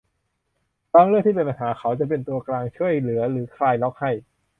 บางเรื่องที่เป็นปัญหาเขาจะเป็นตัวกลางช่วยเหลือหรือคลายล็อกให้